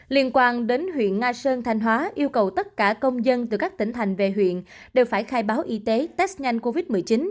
liên quan đến huyện nga sơn thanh hóa yêu cầu tất cả công dân từ các tỉnh thành về huyện đều phải khai báo y tế test nhanh covid một mươi chín